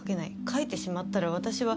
書いてしまったら私は！！」